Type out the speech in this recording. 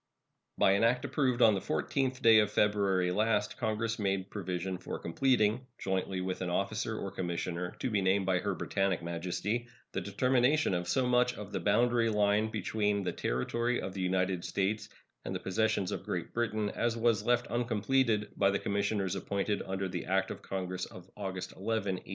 By an act approved on the 14th day of February last Congress made provision for completing, jointly with an officer or commissioner to be named by Her Britannic Majesty, the determination of so much of the boundary line between the territory of the United States and the possessions of Great Britain as was left uncompleted by the commissioners appointed under the act of Congress of August 11, 1856.